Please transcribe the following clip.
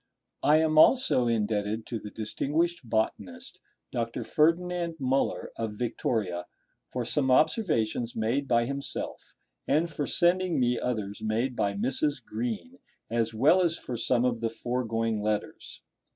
I am also indebted to the distinguished botanist, Dr. Ferdinand Müller, of Victoria, for some observations made by himself, and for sending me others made by Mrs. Green, as well as for some of the foregoing letters.